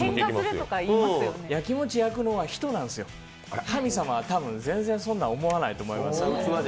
やきもちやくのは人なんですよ、神様は全然そんなに思わないと思います。